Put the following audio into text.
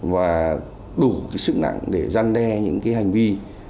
và đủ cái sức nặng để gian đe những cái hành vi